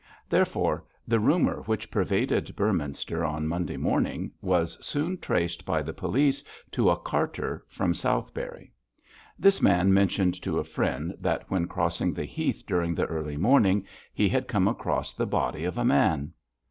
Therefore, the rumour which pervaded Beorminster on Monday morning was soon traced by the police to a carter from Southberry. This man mentioned to a friend that, when crossing the Heath during the early morning, he had come across the body of a man.